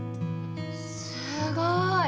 すごい。